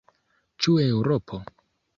Ĉu Eŭropo?